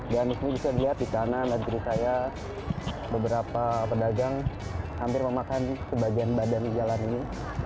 dan di sini bisa dilihat di kanan dan kiri saya beberapa pedagang hampir memakan sebagian badan jalan ini